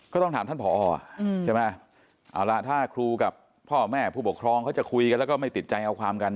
ก็ต้องถามท่านผอใช่ไหมเอาล่ะถ้าครูกับพ่อแม่ผู้ปกครองเขาจะคุยกันแล้วก็ไม่ติดใจเอาความกัน